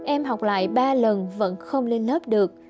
em học lại ba lần vẫn không lên lớp được